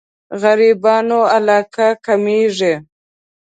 غريبانو علاقه کمېږي.